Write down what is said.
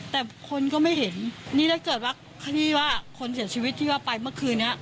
แต่คนก็ไม่เห็นนี่ถ้าเกิดว่าที่ว่าคนเสียชีวิตที่ว่าไปเมื่อคืนนี้